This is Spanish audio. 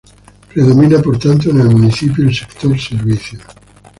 Predomina por tanto en el municipio el sector servicios.